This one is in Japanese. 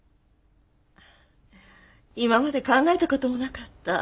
今までは考えた事もなかった。